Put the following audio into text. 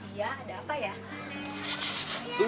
iya ada apa ya